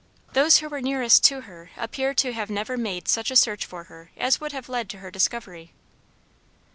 Those who were nearest to her appear to have never made such a search for her as would have led to her discovery.